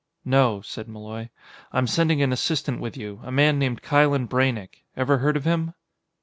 "No," said Malloy, "I'm sending an assistant with you a man named Kylen Braynek. Ever heard of him?"